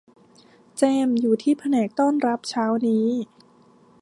เจมส์ อยู่ที่แผนกต้อนรับเช้านี้